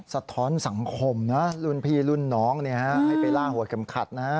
สะท้อนสังคมนะรุ่นพี่รุ่นน้องให้ไปล่าหัวเข็มขัดนะ